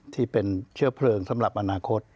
ที่เป็นเชื้อเพลิงสำหรับอนาคต